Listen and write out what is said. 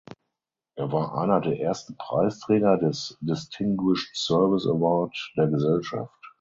Er war einer der ersten Preisträger des Distinguished Service Award der Gesellschaft.